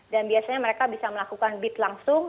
dan biasanya mereka bisa melakukan bid langsung